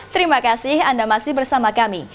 terima kasih anda masih bersama kami